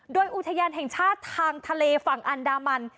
โดยอุทยานแห่งชาติทางทะเลฝั่งอันดามัน